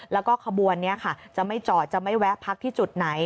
แล้วก็ขบวนนี้ค่ะจะไม่จอดจะไม่แวะพักที่จุดไหน